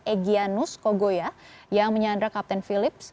egyanus kogoya yang menyandera kapten phillips